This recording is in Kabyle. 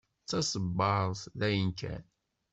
D taṣebbart d ayen kan.